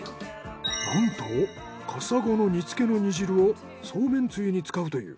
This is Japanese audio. なんとカサゴの煮付けの煮汁をそうめんつゆに使うという。